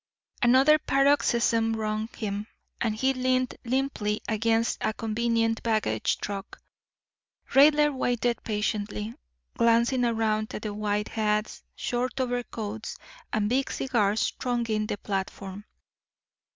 Another paroxysm wrung him, and he leaned limply against a convenient baggage truck. Raidler waited patiently, glancing around at the white hats, short overcoats, and big cigars thronging the platform.